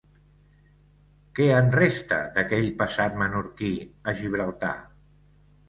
Què en resta, d’aquell passat menorquí a Gibraltar?